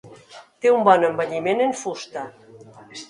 Té un bon envelliment en fusta.